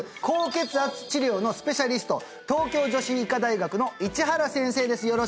高血圧治療のスペシャリスト東京女子医科大学の市原先生です